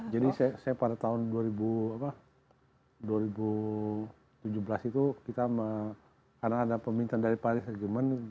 jadi saya pada tahun dua ribu tujuh belas itu kita karena ada pemintaan dari paris regiment untuk membuat laporan kursus